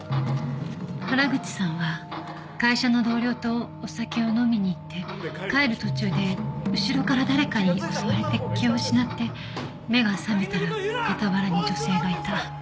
原口さんは会社の同僚とお酒を飲みに行って帰る途中で後ろから誰かに襲われて気を失って目が覚めたら傍らに女性がいた。